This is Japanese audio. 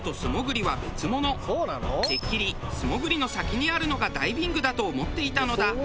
てっきり素潜りの先にあるのがダイビングだと思っていたのだ。